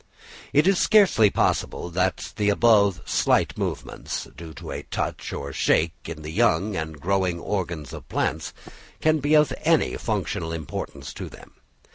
It is scarcely possible that the above slight movements, due to a touch or shake, in the young and growing organs of plants, can be of any functional importance to them.